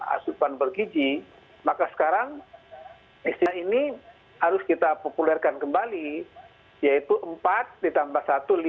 asupan bergiji maka sekarang istilah ini harus kita populerkan kembali yaitu empat ditambah satu lima